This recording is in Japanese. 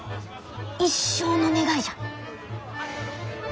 一生の願いじゃ。